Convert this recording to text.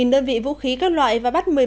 một đơn vị vũ khí các loại và bắt